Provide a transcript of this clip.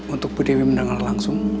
untuk bu dewi mendengar langsung